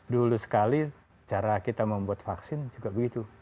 dulu sekali cara kita membuat vaksin juga begitu